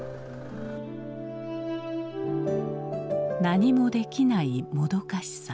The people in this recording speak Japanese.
何もできないもどかしさ。